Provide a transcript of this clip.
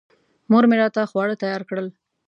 مور مې راته خواړه تیار کړل.